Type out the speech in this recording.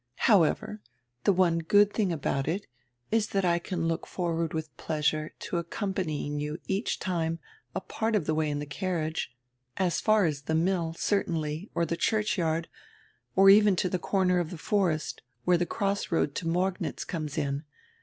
"However, the one good tiling about it is that I can look forward with pleasure to accompanying you each time a part of tire way in tire carriage, as far as the mill, certainly, or the churchyard, or even to the corner of tire forest, where tire crossroad to Morgnitz comes in.